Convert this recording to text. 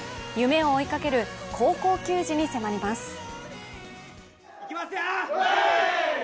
夢を追いかける高校球児に迫ります。